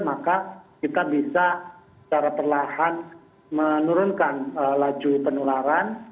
maka kita bisa secara perlahan menurunkan laju penularan